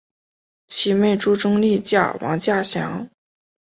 其妹朱仲丽嫁王稼祥。